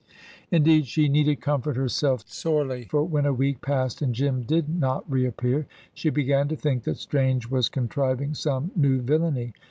Indeed, she needed comfort herself sorely, for when a week passed and Jim did not reappear, she began to think that Strange was contriving some new villainy.